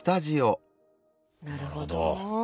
なるほど。